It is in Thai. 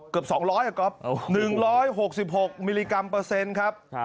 เกือบสองร้อยค่ะกรอฟหนึ่งร้อยหกสิบหกมิลลีกรัมเปอร์เซ็นต์ครับ